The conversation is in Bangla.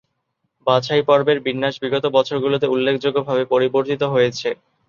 বাছাইপর্বের বিন্যাস বিগত বছরগুলোতে উল্লেখযোগ্যভাবে পরিবর্তিত হয়েছে।